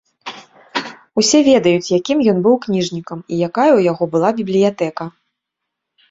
Усе ведаюць, якім ён быў кніжнікам і якая ў яго была бібліятэка.